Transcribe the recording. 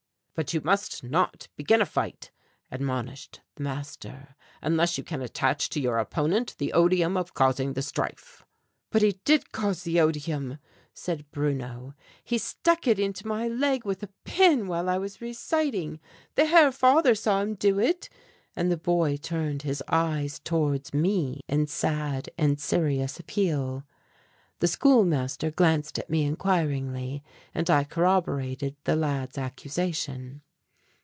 "But you must not begin a fight," admonished the master, "unless you can attach to your opponent the odium of causing the strife." "But he did cause the odium," said Bruno; "he stuck it into my leg with a pin while I was reciting. The Herr Father saw him do it, " and the boy turned his eyes towards me in sad and serious appeal. The schoolmaster glanced at me inquiringly and I corroborated the lad's accusation.